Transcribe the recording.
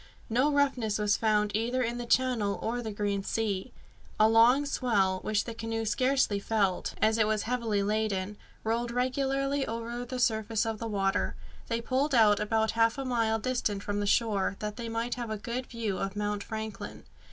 No roughness was found either in the channel or the green sea. A long swell, which the canoe scarcely felt, as it was heavily laden, rolled regularly over the surface of the water. They pulled out about half a mile distant from the shore, that they might have a good view of Mount Franklin.